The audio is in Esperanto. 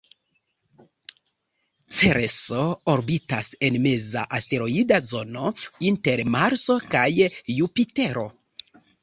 Cereso orbitas en meza asteroida zono, inter Marso kaj Jupitero.